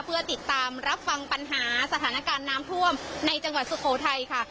เพื่อติดตามรับฟังปัญหาสถานการณ์น้ำท่วมในจังหวัดสุโขทัยค่ะ